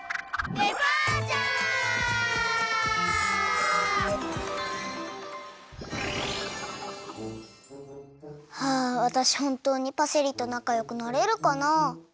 デパーチャー！はあわたしほんとうにパセリとなかよくなれるかな？